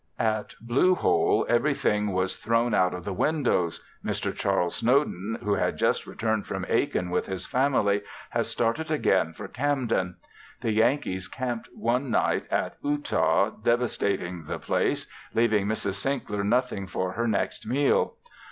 At Blue Hole everything was thrown out of the windows. Mr. Charles Snowden who had just returned from Aiken with his family has started again for Camden. The Yankees camped one night at Eutaw devastating the place, leaving Mrs. Sinkler nothing for her next meal.